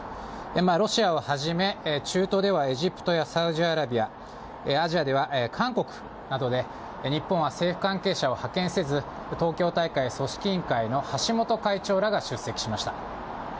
ロシアをはじめ中東ではエジプトやサウジアラビア、アジアでは韓国などで、日本は政府関係者を派遣せず、東京大会組織委員会の橋本会長らが出席しました。